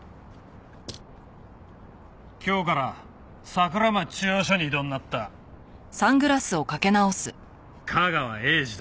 今日から桜町中央署に異動になった架川英児だ。